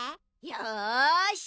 よし。